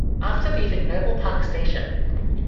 After leaving Noble Park Station.